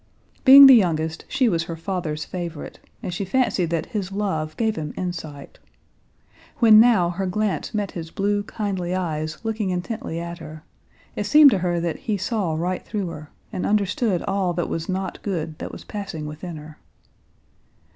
Being the youngest, she was her father's favorite, and she fancied that his love gave him insight. When now her glance met his blue kindly eyes looking intently at her, it seemed to her that he saw right through her, and understood all that was not good that was passing within her.